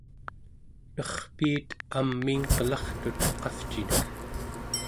nerpiit amiingqelartut qavcinek